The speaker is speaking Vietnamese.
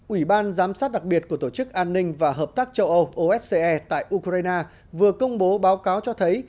ủy ban giám sát đặc biệt của tổ chức an ninh và hợp tác châu âu ose tại ukraine vừa công bố báo cáo cho thấy